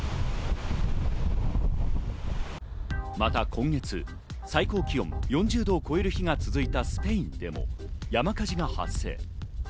また今月、最高気温４０度を超える日が続いたスペインでも山火事が発生。